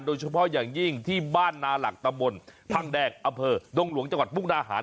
โดยเฉพาะอย่างยิ่งที่บ้านนาหลักตำบลพังแดงอำเภอดงหลวงจังหวัดมุกดาหาร